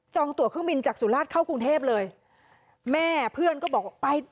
ตัวเครื่องบินจากสุราชเข้ากรุงเทพเลยแม่เพื่อนก็บอกว่าไป